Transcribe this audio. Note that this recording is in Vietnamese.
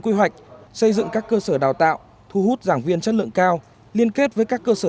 quy hoạch xây dựng các cơ sở đào tạo thu hút giảng viên chất lượng cao liên kết với các cơ sở